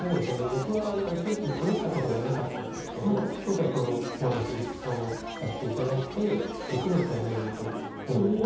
僕は正直試した事がなかったんですけど今回このお話を聞かせていただいてできなくはないなと思って。